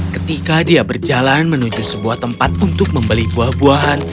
ketika dia berjalan menuju sebuah tempat untuk membeli buah buahan